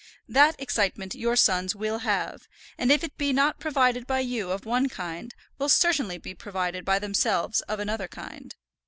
That excitement your sons will have, and if it be not provided by you of one kind, will certainly be provided by themselves of another kind.